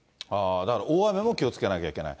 だから大雨も気をつけなきゃいけない。